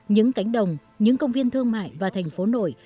những cánh đồng những công viên thương mại và thành phố nổi